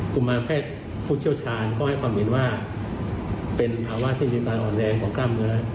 ุมารแพทย์ผู้เชี่ยวชาญก็ให้ความเห็นว่าเป็นภาวะที่มีความอ่อนแรงของกล้ามเนื้อ